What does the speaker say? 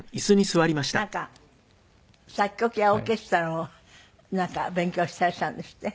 なんか作曲やオーケストラを勉強していらっしゃるんですって？